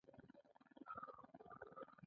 کارګرانو به یو ځای کار سره کاوه